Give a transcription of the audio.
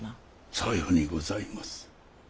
さようにございます。